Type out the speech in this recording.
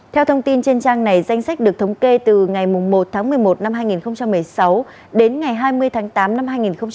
theo thông tin trên trang này danh sách được thống kê từ ngày một tháng một mươi một năm hai nghìn một mươi sáu đến ngày hai mươi tháng tám năm hai nghìn một mươi chín